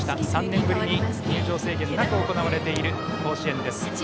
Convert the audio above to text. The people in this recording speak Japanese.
３年ぶりに入場制限なく行われている甲子園です。